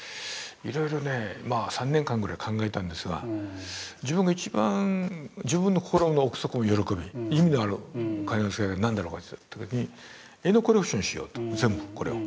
いろいろ３年間ぐらい考えたんですが自分が一番自分の心の奥底の喜び意味のあるお金の使い方は何だろうかといった時に絵のコレクションをしようと全部これを。